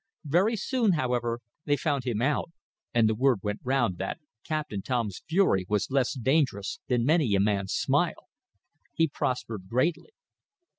Very soon, however, they found him out, and the word went round that Captain Tom's fury was less dangerous than many a man's smile. He prospered greatly.